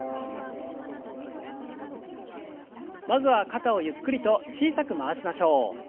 まずは肩をゆっくりと小さく回しましょう。